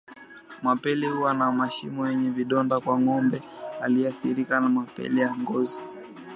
Mapele huwa na mashimo yenye vidonda kwa ngombe aliyeathirika na mapele ya ngozi